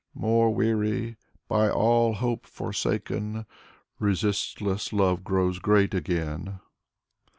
More weary, by all hope forsaken; Resistless love grows great again.